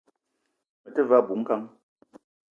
Me te ve a bou ngang